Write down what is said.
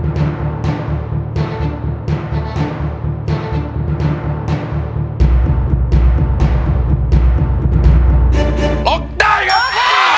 ร้องได้ครับ